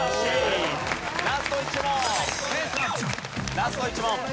ラスト１問。